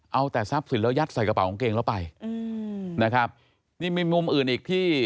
เอาแต่ทรัพย์สินแล้วยัดใส่กระเป๋ากางเกงแล้วไปอืมนะครับนี่มีมุมอื่นอีกที่